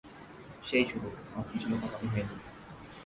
সেই শুরু, আর পিছনে তাকাতে হয়নি।